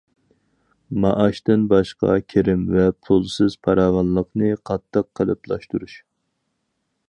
مائاشتىن باشقا كىرىم ۋە پۇلسىز پاراۋانلىقنى قاتتىق قېلىپلاشتۇرۇش.